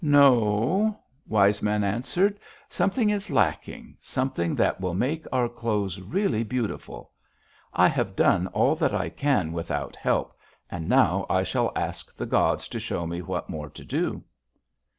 "'No,' Wise Man answered; 'something is lacking, something that will make our clothes really beautiful. I have done all that I can without help, and now I shall ask the gods to show me what more to do.'